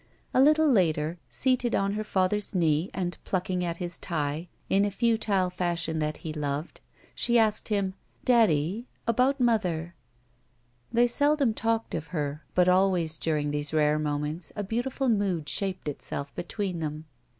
A httle later, seated on her father's knee and plucking at his tie in a futile fashion that he loved, she asked him: 2ia GUILTY "Daddy — ^about mother —*' They seldom talked of her, but always dtuing these rare moments a beautiful mood shaped itself between them.